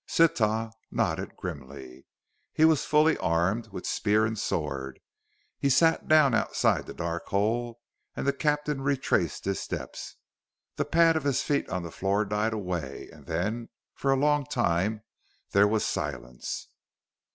Sitah nodded grimly. He was fully armed, with spear and sword. He sat down outside the dark hole, and the captain retraced his steps. The pad of his feet on the floor died away, and then, for a long time, there was silence.